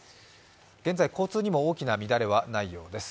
現在交通にも大きな乱れはないようです。